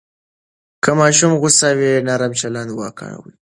که ماشوم غوسه وي، نرم چلند وکاروئ.